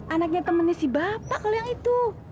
anaknya temannya si bapak kalau yang itu